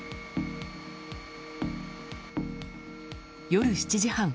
夜７時半